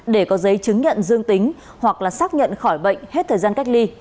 để có giấy chứng nhận dương tính hoặc xác nhận khỏi bệnh hết thời gian cách ly